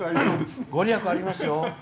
御利益ありますよ。